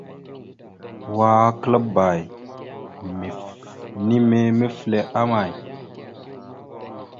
Wa klaabba minime mefle ama.